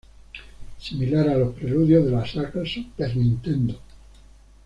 Similar a los preludios de la saga Super Nintendo.